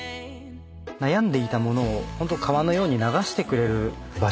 悩んでいたものを川のように流してくれる場所というか。